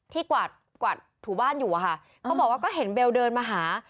กวาดกวาดถูบ้านอยู่อะค่ะเขาบอกว่าก็เห็นเบลเดินมาหา